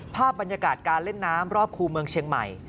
ภาพบรรยากาศการเล่นน้ำรอบคู่เมืองเชียงใหม่